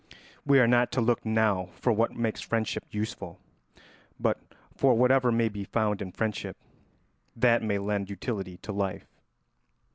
We are not to look now for what makes friendship useful, but for whatever may be found in friendship that may lend utility to life.